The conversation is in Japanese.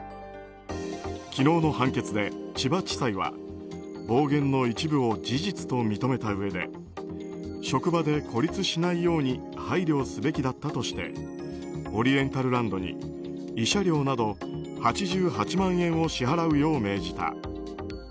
昨日の判決で千葉地裁は暴言の一部を事実と認めたうえで職場で孤立しないように配慮すべきだったとしてオリエンタルランドに慰謝料など８８万円を支払うよう命じた。